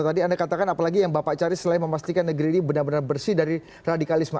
tadi anda katakan apalagi yang bapak cari selain memastikan negeri ini benar benar bersih dari radikalisme